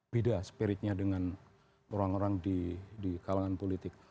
beda spiritnya dengan orang orang di kalangan politik